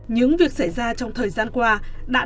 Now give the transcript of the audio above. những việc xảy ra trong thời gian qua